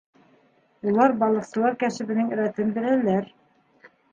Улар балыҡсылар кәсебенең рәтен беләләр.